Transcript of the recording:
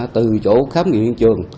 từ chỗ khám nghiệm hiện trường